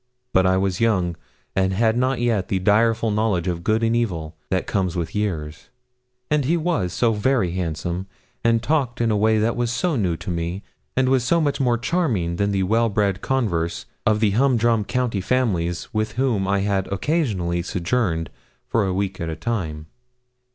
But I was young, and had not yet the direful knowledge of good and evil that comes with years; and he was so very handsome, and talked in a way that was so new to me, and was so much more charming than the well bred converse of the humdrum county families with whom I had occasionally sojourned for a week at a time.